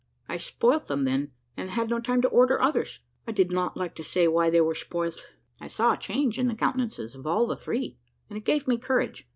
I spoilt them then, and had no time to order others. I did not like to say why they were spoilt." I saw a change in the countenances of all the three, and it gave me courage.